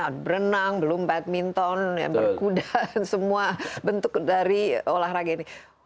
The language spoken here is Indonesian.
ada berenang belum badminton berkuda semua bentuk dari olahraga ini